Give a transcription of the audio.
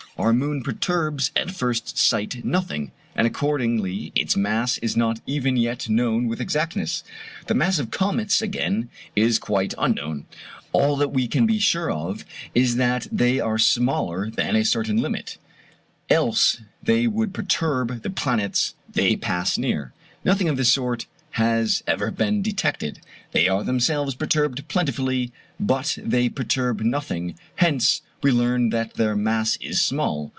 Our moon perturbs at first sight nothing, and accordingly its mass is not even yet known with exactness. The mass of comets, again, is quite unknown. All that we can be sure of is that they are smaller than a certain limit, else they would perturb the planets they pass near. Nothing of this sort has ever been detected. They are themselves perturbed plentifully, but they perturb nothing; hence we learn that their mass is small.